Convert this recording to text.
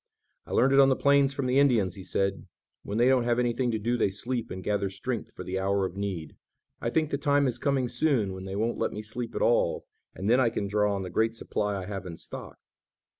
"I learned it on the plains from the Indians," he said. "When they don't have anything to do they sleep and gather strength for the hour of need. I think the time is coming soon when they won't let me sleep at all, and then I can draw on the great supply I have in stock."